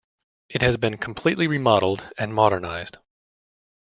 It has been completely remodeled and modernized.